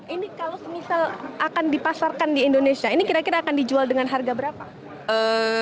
ini kalau semisal akan dipasarkan di indonesia ini kira kira akan dijual dengan harga berapa